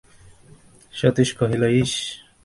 সতীশ কহিল, ইস!